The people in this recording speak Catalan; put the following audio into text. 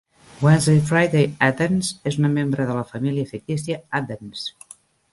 Wednesday Friday Addams és una membre de la família fictícia Addams.